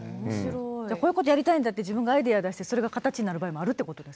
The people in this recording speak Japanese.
こういうことやりたいんだと自分がアイデアを出してそれが形になれたこともあるんですね。